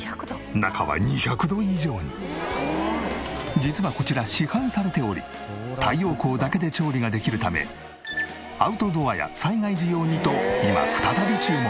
実はこちら市販されており太陽光だけで調理ができるためアウトドアや災害時用にと今再び注目！